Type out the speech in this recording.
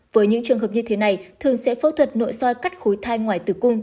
với những trường hợp như thế này thường sẽ phẫu thuật nội soi cắt khối thai ngoài tử cung